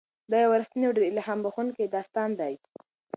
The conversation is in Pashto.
دا یو رښتینی او ډېر الهام بښونکی داستان دی.